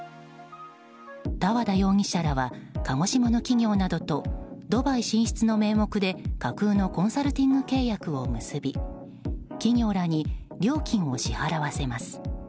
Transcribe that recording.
多和田容疑者らは鹿児島の企業などとドバイ進出の名目で架空のコンサルティング契約を結び企業らに料金を支払わせます。